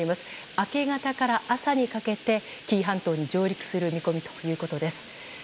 明け方から朝にかけて紀伊半島に上陸する見込みということです。